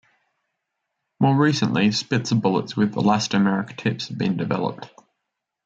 More recently, spitzer bullets with elastomeric tips have been developed.